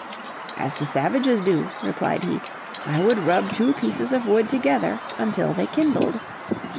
"As the savages do," replied he; "I would rub two pieces of wood together until they kindled."